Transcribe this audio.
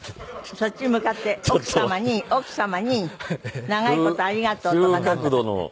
そっちへ向かって奥様に奥様に長い事ありがとうとかなんとか。急角度の。